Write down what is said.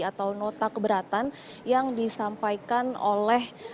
atau nota keberatan yang disampaikan oleh